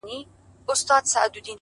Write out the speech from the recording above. ماته د مار خبري ډيري ښې دي،